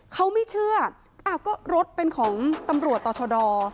เขาไม่เชื่ออ้าวก็รถเป็นของตำรวจต่อชะดอ